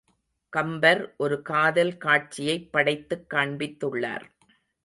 கம்பர் ஒரு காதல் காட்சியைப் படைத்துக் காண்பித்துள்ளார்.